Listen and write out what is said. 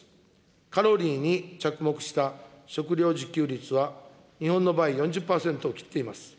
カロリーに着目した食料自給率は、日本の場合、４０％を切っています。